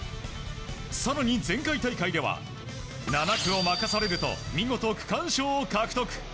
更に前回大会では７区を任されると見事、区間賞を獲得。